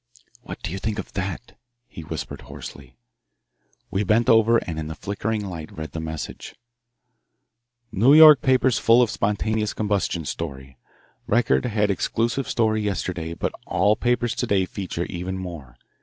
"What do you think of that?" he whispered hoarsely. We bent over and in the flickering light read the message: New York papers full of spontaneous combustion story. Record had exclusive story yesterday, but all papers to day feature even more.